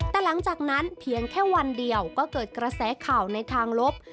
แต่หลังจากนั้นเพียงแค่วันเดียวก็เกิดกระแสข่าวในทางลบ